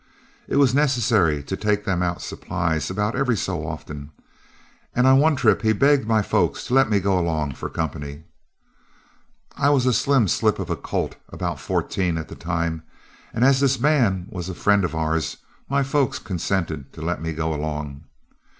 It was necessary to take them out supplies about every so often, and on one trip he begged my folks to let me go along for company. I was a slim slip of a colt about fourteen at the time, and as this man was a friend of ours, my folks consented to let me go along.